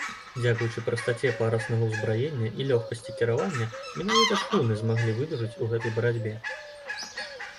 Дзякуючы прастаце паруснага ўзбраення і лёгкасці кіравання менавіта шхуны змаглі выдужаць у гэтай барацьбе.